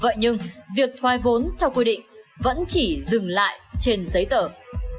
về việc thoai vốn của các dự án thuộc kết luận thanh tra